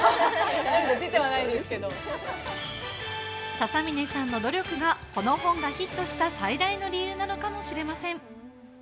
笹嶺さんの努力が、この本がヒットした最大の理由なのかもしれません。